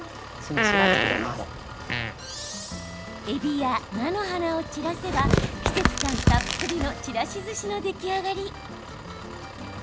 えびや菜の花を散らせば季節感たっぷりのちらしずしの出来上がり！